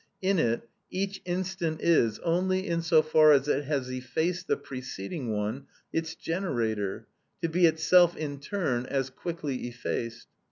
In it each instant is, only in so far as it has effaced the preceding one, its generator, to be itself in turn as quickly effaced.